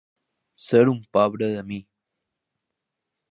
Ser un pobre de mi.